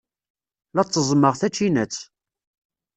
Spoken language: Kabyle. La tteẓẓmeɣ tacinat.